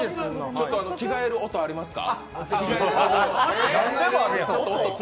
ちょっと着替える音ありますか？